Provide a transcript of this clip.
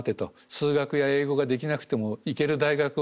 数学や英語ができなくても行ける大学はあるぞと。